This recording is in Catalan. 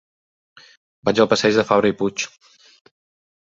Vaig al passeig de Fabra i Puig.